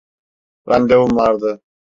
Randevum vardı.